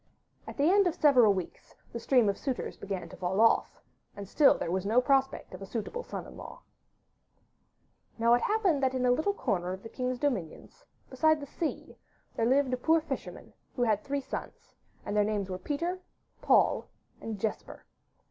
At the end of several weeks the stream of suitors began to fall off, and still there was no prospect of a suitable son in law. Now it so happened that in a little corner of the king's dominions, beside the sea, there lived a poor fisher, who had three sons, and their names were Peter, Paul, and Jesper.